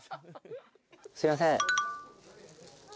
すいません。